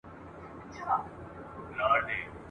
او که دواړي سترګي بندي وي څه ښه دي !.